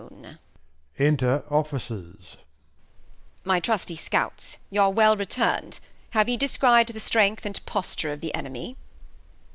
[Enter Officers: My trusty Scouts y'are well return'd; have ye de scry' d The Strength and Posture of the Enemy